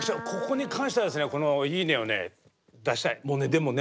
でもね